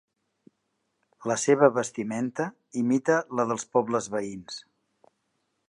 La seva vestimenta imita la dels pobles veïns.